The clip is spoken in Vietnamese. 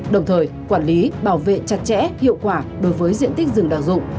đồng thời quản lý bảo vệ chặt chẽ hiệu quả đối với diện tích rừng đặc dụng